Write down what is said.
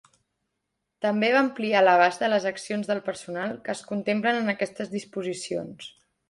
També va ampliar l'abast de les accions del personal que es contemplen en aquestes disposicions.